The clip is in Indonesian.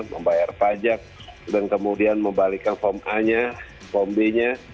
membayar pajak dan kemudian membalikan form a nya form b nya